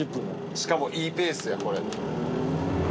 しかもいいペースやこれ。